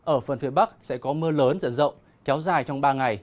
ở phần phía bắc sẽ có mưa lớn dần rộng kéo dài trong ba ngày